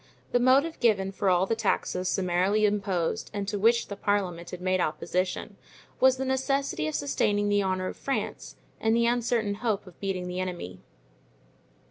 The motive given for all the taxes summarily imposed and to which the parliament had made opposition, was the necessity of sustaining the honor of France and the uncertain hope of beating the enemy.